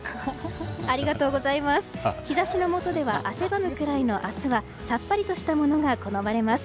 日差しのもとでは汗ばむくらいの明日はさっぱりとしたものが好まれます。